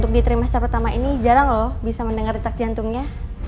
di trimester pertama ini jarang loh bisa mendengar retak jantungnya